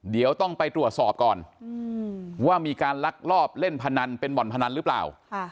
เดี๋ยวต้องไปตรวจสอบก่อนว่ามีการลักลอบเล่นพนันเป็นบ่อนพนันหรือเปล่า